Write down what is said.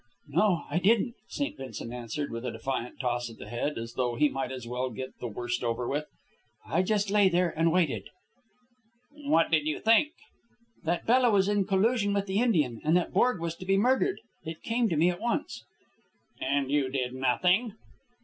"No, I didn't," St. Vincent answered, with a defiant toss of the head, as though he might as well get the worst over with. "I just lay there and waited." "What did you think?" "That Bella was in collusion with the Indian, and that Borg was to be murdered. It came to me at once." "And you did nothing?"